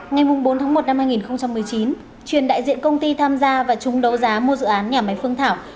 ngày bốn tháng một năm hai nghìn một mươi chín truyền đại diện công ty tham gia và chúng đấu giá mua dự án nhà máy phương thảo